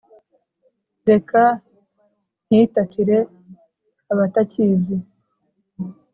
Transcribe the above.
reka nkiratire abatakizi,